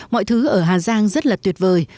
mọi thứ ở hà giang rất là tuyệt vời